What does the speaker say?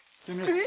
えっ？